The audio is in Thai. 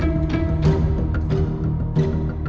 หัวใจสักที